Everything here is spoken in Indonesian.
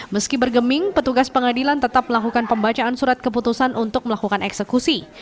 meski bergeming petugas pengadilan tetap melakukan pembacaan surat keputusan untuk melakukan eksekusi